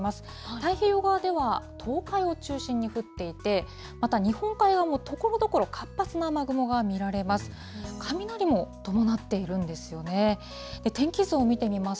太平洋側では、東海を中心に降っていて、また日本海側もところどころ、活発な雨雲が見られます。